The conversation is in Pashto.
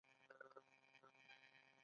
ایا مرسته کوئ؟